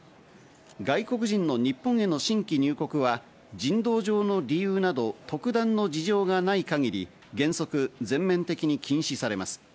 外国人の日本への新規入国は人道上の理由など、特段の事情がない限り原則全面的に禁止されます。